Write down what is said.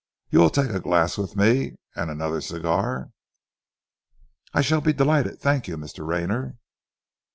You will take a glass with me, and another cigar?" "I shall be delighted, thank you, Mr. Rayner."